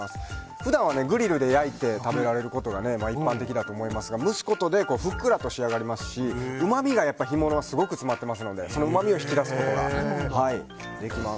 普段はグリルで焼いて食べられることが一般的だと思いますが蒸すことでふっくらと仕上がりますし干物はうまみが詰まってますからそのうまみを引き出すことができます。